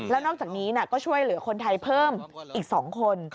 แล้วนอกจากนี้ก็ช่วยเหลือคนไทยเพิ่มอีก๒คน